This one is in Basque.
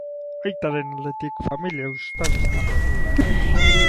Aitaren aldetik, familia uztariztarra dugu.